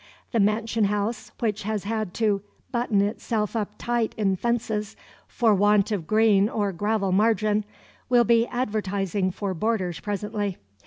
The mansion house which has had to "button itself up tight in fences, for want of green or gravel margin," will be advertising for boarders presently.